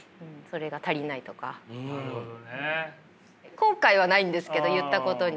後悔はないんですけど言ったことに。